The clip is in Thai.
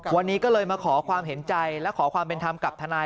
วันนี้ก็เลยมาขอความเห็นใจและขอความเป็นธรรมกับทนาย